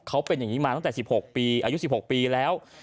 เขาเป็นอย่างนี้มาตั้งแต่๑๖ปีอายุ๑๖ปีแล้ว